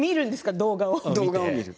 動画を見る。